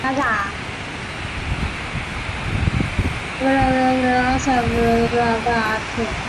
这是世乒赛历史上第一次将单项比赛和团体比赛分开举行。